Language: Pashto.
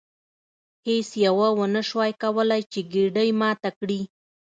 هیڅ یوه ونشوای کولی چې ګېډۍ ماته کړي.